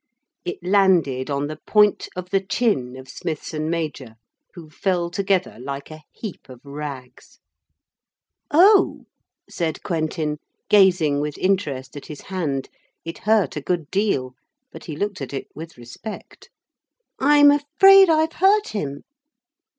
It landed on the point of the chin of Smithson major who fell together like a heap of rags. 'Oh,' said Quentin, gazing with interest at his hand it hurt a good deal but he looked at it with respect 'I'm afraid I've hurt him.'